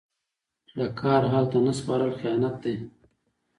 د کار اهل ته نه سپارل خیانت دی.